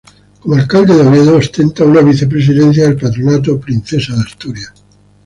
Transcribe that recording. Como alcalde de Oviedo, ostenta una vicepresidencia del Patronato Princesa de Asturias.